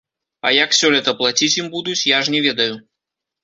А як сёлета плаціць ім будуць, я ж не ведаю.